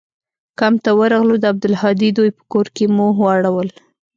کمپ ته ورغلو د عبدالهادي دوى په کور کښې مو واړول.